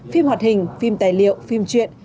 phim hoạt hình phim tài liệu phim truyện